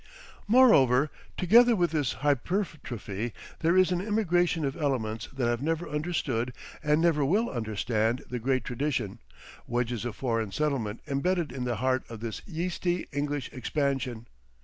Moreover, together with this hypertrophy there is an immigration of elements that have never understood and never will understand the great tradition, wedges of foreign settlement embedded in the heart of this yeasty English expansion.